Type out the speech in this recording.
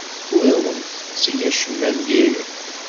Ur awen-tetteg acemma n diri.